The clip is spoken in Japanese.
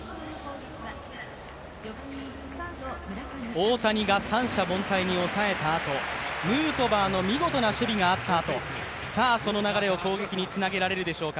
大谷が三者凡退に抑えたあとヌートバーの見事な守備があったあと、さぁ、その流れを攻撃につなげられるでしょうか。